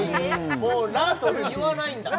もう「ラ」と「ル」言わないんだ